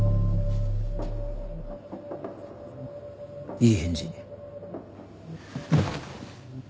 いい返事。